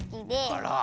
あら！